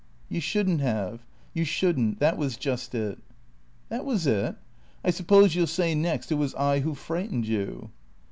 "You shouldn't have. You shouldn't. That was just it." "That was it? I suppose you'll say next it was I who frightened you?"